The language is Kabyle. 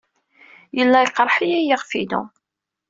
Yella yeqreḥ-iyi yiɣef-inu.